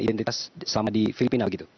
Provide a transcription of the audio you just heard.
identitas sama di filipina begitu